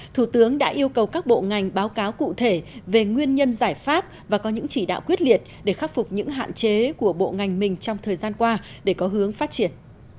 thủ tướng đã yêu cầu các bộ ngành báo cáo cụ thể về nguyên nhân giải pháp và có những chỉ đạo quyết liệt để khắc phục những hạn chế của bộ ngành mình trong thời gian qua để có hướng phát triển